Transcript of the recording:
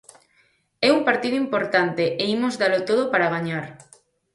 É un partido importante e imos dalo todo para gañar.